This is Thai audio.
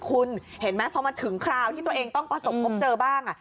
คุณเห็นไหมพอมาถึงคราวที่ตัวเองต้องประสบพบเจอบ้าง